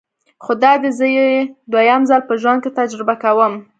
خو دادی زه یې دویم ځل په ژوند کې تجربه کوم.